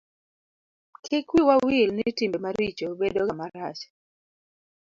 kik wiwa wil ni timbe maricho bedo ga marach